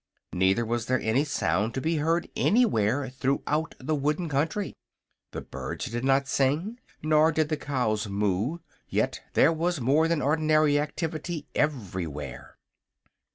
Neither was there any sound to be heard anywhere throughout the wooden country. The birds did not sing, nor did the cows moo; yet there was more than ordinary activity everywhere.